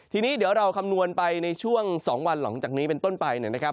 ทีนี้เดี๋ยวเราคำนวณไปในช่วง๒วันหลังจากนี้เป็นต้นไปนะครับ